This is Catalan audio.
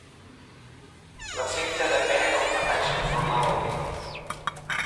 L'efecte depèn dels metalls que formen la unió.